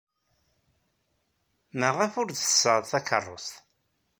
Maɣef ur d-tessaɣeḍ takeṛṛust?